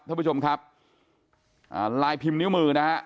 ท่านผู้ชมครับอ่าลายพิมพ์นิ้วมือนะฮะ